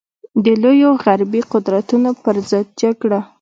د لویو غربي قدرتونو پر ضد جګړه.